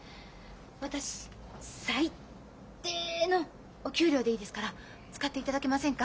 私最低のお給料でいいですから使っていただけませんか？